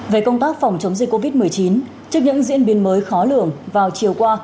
về công tác phòng chống dịch covid một mươi chín trước những diễn biến mới khó lường vào chiều qua